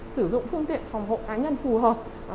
sử dụng phương tiện phòng hộ cá nhân phù hợp